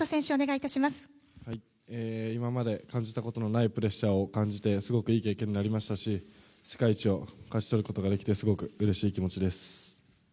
今まで感じたことのないプレッシャーを感じてすごくいい経験になりましたし世界一を勝ち取ることができてすごくうれしい気持ちです。